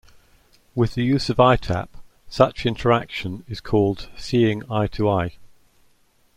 With the use of EyeTap, such interaction is called "seeing eye-to-eye".